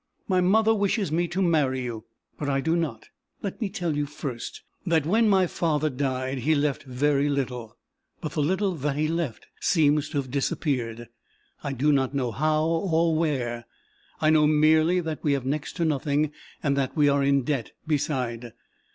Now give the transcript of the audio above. My mother wishes me to marry you, but I do not. Let me tell you, first, that when my father died he left very little, but the little that he left seems to have disappeared, I do not know how or where. I know merely that we have next to nothing, and that we are in debt beside.